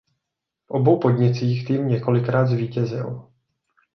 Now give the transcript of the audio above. V obou podnicích tým několikrát zvítězil.